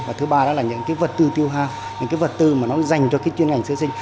và thứ ba đó là những cái vật tư tiêu hao những cái vật tư mà nó dành cho cái chuyên ngành sơ sinh